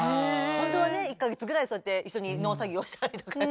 本当はね一か月ぐらいそうやって一緒に農作業したりとかね